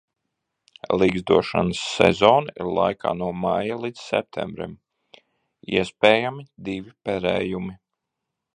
Ligzdošanas sezona ir laikā no maija līdz septembrim, iespējami divi perējumi.